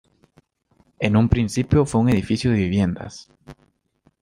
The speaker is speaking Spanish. En un principio fue un edificio de viviendas.